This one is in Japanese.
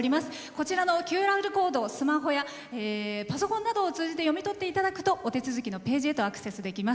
こちらのＱＲコードをスマホやパソコンなどを通じて読み取っていただくとお手続きへのページへとアクセスいただけます。